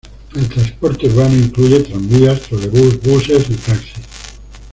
El transporte urbano incluye tranvías, trolebús, buses y taxis.